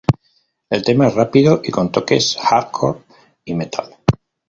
El tema es rápido y con toques hardcore y metal.